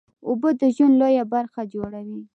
اوبه د ژوند لویه برخه جوړوي